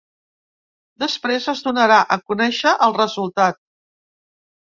Després, es donarà a conèixer el resultat.